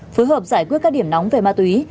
phối hợp giải quyết các điểm nóng về ma túy